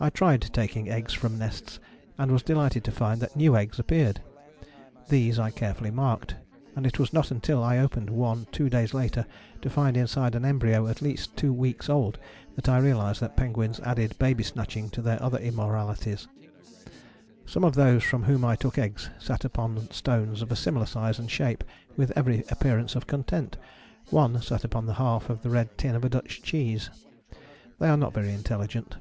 I tried taking eggs from nests and was delighted to find that new eggs appeared: these I carefully marked, and it was not until I opened one two days later to find inside an embryo at least two weeks old, that I realized that penguins added baby snatching to their other immoralities. Some of those from whom I took eggs sat upon stones of a similar size and shape with every appearance of content: one sat upon the half of the red tin of a Dutch cheese. They are not very intelligent.